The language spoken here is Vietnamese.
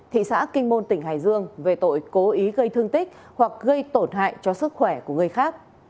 thị xã kinh môn tỉnh hải dương về tội cố ý gây thương tích hoặc gây tổn hại cho sức khỏe của người khác